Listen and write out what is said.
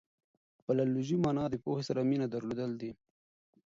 فلالوژي مانا د پوهي سره مینه درلودل دي.